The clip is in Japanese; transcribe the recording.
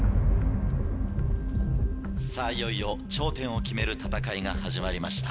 いよいよ頂点を決める戦いが始まりました。